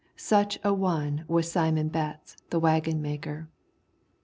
Such an one was Simon Betts the waggon maker.